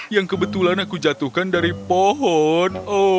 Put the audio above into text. yang kebetulan aku jatuhkan dari pohon